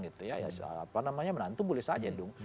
apa namanya menantu boleh saja dong